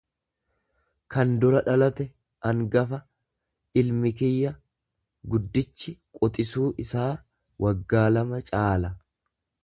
kan dura dhalate, angafa; Ilmi kiyya guddichi quxisuu isaa waggaa lama caala.